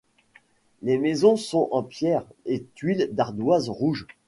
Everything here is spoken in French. Les maisons sont en pierres et tuiles d'ardoise rouge.